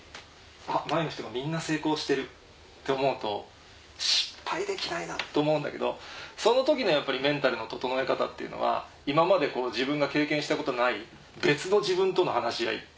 前の人がみんな成功してるって思うと失敗できないなと思うんだけどその時のやっぱりメンタルの整え方っていうのは今まで自分が経験したことのない別の自分との話し合い。